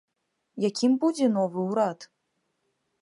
Якім будзе новы ўрад?